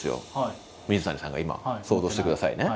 水谷さんが今。想像してくださいね。